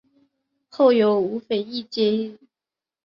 后由吴棐彝接任。